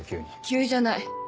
急じゃない。